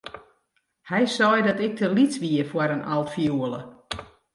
Hy sei dat ik te lyts wie foar in altfioele.